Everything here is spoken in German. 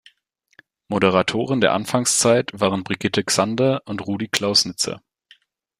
Moderatoren der Anfangszeit waren Brigitte Xander und Rudi Klausnitzer.